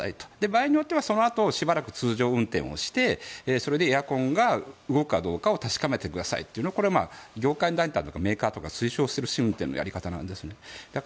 場合によってはそのあとしばらく通常運転をしてそれでエアコンが動くかどうかを確かめてくださいというこれは業界団体とかメーカーが推奨している、試運転のやり方なんですよね。